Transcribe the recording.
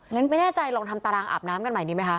งั้นไม่แน่ใจลองทำตารางอาบน้ำกันใหม่ดีไหมคะ